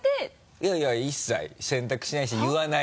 いやいや一切洗濯しないし言わない。